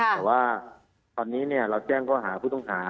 แต่ว่าตอนนี้เราแจ้งข้อหาผู้ต้องหา